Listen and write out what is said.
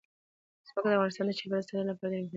ځمکه د افغانستان د چاپیریال ساتنې لپاره ډېر مهم دي.